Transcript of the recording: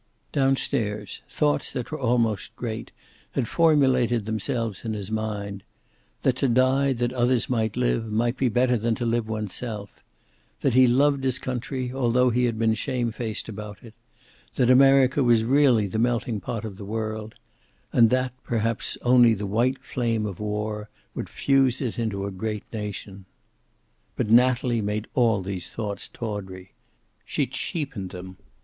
Down stairs, thoughts that were almost great had formulated themselves in his mind; that to die that others might live might be better than to live oneself; that he loved his country, although he had been shamefaced about it; that America was really the melting pot of the world, and that, perhaps, only the white flame of war would fuse it into a great nation. But Natalie made all these thoughts tawdry. She cheapened them.